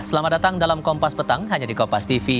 selamat datang dalam kompas petang hanya di kopas tv